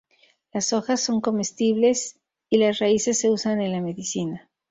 Las hojas son comestibles, y las raíces se usan en la medicina.